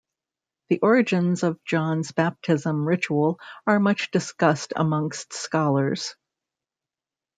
The origins of John's baptism ritual are much discussed amongst scholars.